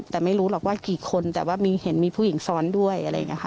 แต่ไม่รู้หรอกว่ากี่คนแต่เห็นมีผู้หญิงซ้อนด้วย